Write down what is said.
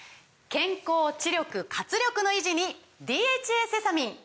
健康・知力・活力の維持に「ＤＨＡセサミン」！